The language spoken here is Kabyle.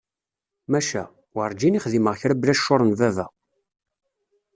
Maca! Werǧin i xdimeɣ kra bla ccur n baba.